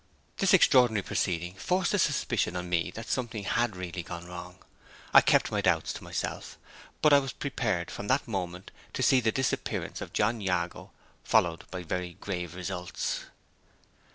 This extraordinary proceeding forced the suspicion on me that something had really gone wrong. I kept my doubts to myself; but I was prepared, from that moment, to see the disappearance of John Jago followed by very grave results.